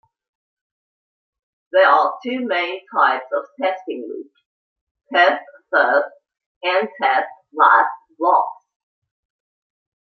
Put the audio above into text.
There are two main types of testing loops, test first and test last blocks.